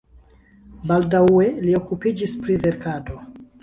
Baldaŭe li okupiĝis pri verkado.